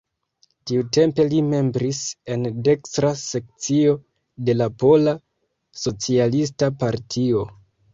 Tiutempe li membris en dekstra sekcio de la pola, socialista partio.